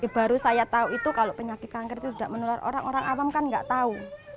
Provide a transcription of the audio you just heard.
baru saya tahu itu kalau penyakit kanker itu sudah menular orang orang awam kan nggak tahu